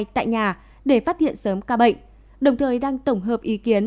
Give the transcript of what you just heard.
tại nhà để phát hiện sớm ca bệnh đồng thời đang tổng hợp ý kiến